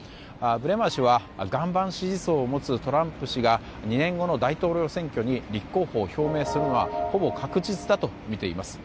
ブレマー氏は岩盤支持層を持つトランプ氏が２年後の大統領選挙に立候補を表明するのはほぼ確実だとみています。